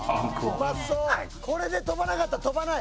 これで飛ばなかったら飛ばない。